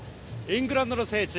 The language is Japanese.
イングランドの聖地